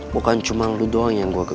bukan cuma lo doang yang gue gegukin